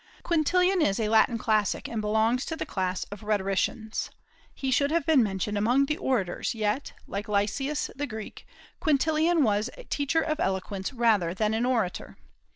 Quintilian is a Latin classic, and belongs to the class of rhetoricians. He should have been mentioned among the orators, yet, like Lysias the Greek, Quintilian was a teacher of eloquence rather than an orator.